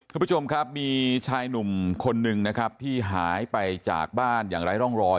คุณผู้ชมครับมีชายหนุ่มคนหนึ่งนะครับที่หายไปจากบ้านอย่างไร้ร่องรอย